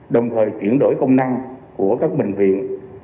đồng thời chuyển đổi công năng của các bệnh viện